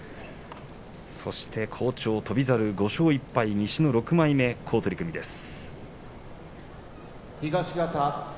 そして好調翔猿、５勝１敗西の６枚目好取組です。